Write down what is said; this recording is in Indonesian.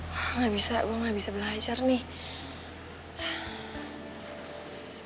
nggak bisa gue nggak bisa belajar nih